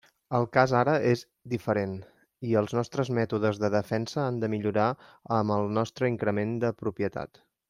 El cas ara és diferent, i els nostres mètodes de defensa han de millorar amb el nostre increment de propietat.